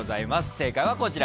正解はこちら。